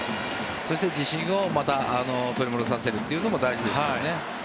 そして自信をまた取り戻させるのも大事ですからね。